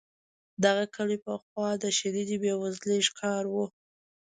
دغه کلی پخوا د شدیدې بې وزلۍ ښکار و.